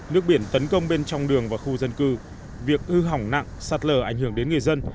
nước biển tấn công bên trong đường và khu dân cư việc hư hỏng nặng sạt lở ảnh hưởng đến người dân